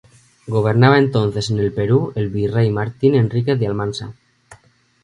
Gobernaba entonces en el Perú el Virrey Martín Enríquez de Almansa.